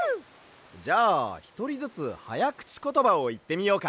じゃあひとりずつはやくちことばをいってみようか。